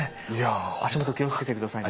足元気をつけて下さいね。